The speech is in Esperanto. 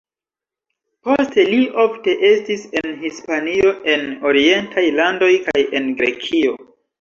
Poste li ofte estis en Hispanio, en orientaj landoj kaj en Grekio.